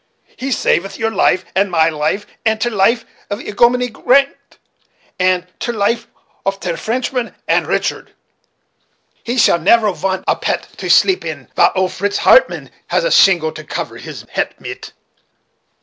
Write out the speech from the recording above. He savet your life, and my life, and ter life of i'ominie Grant, and ter life of ter Frenchman; and, Richard, he shall never vant a pet to sleep in vile olt Fritz Hartmann has a shingle to cover his het mit."